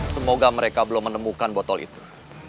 semoga mereka belum menemukan botol itu